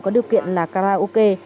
có điều kiện là carlocke